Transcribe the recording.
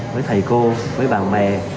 với thầy cô với bạn bè